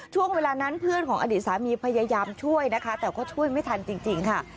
ช่วงเวลานั้นเพื่อนของอดีตสามีพยายามช่วยนะคะแต่ก็ช่วยไม่ทันจริงค่ะ